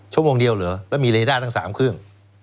ชั่วโมงเดียวเหรอแล้วมีเรด้าทั้ง๓เครื่อง